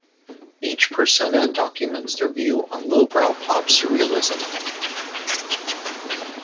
Each persona documents their view on Lowbrow Pop Surrealism.